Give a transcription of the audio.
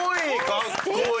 かっこいい！